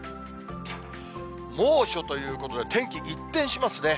猛暑ということで、天気一転しますね。